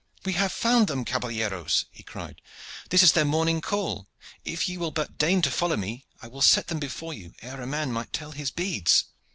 "We have found them, caballeros!" he cried. "This is their morning call. If ye will but deign to follow me, I will set them before you ere a man might tell his beads."